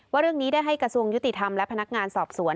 เรื่องนี้ได้ให้กระทรวงยุติธรรมและพนักงานสอบสวน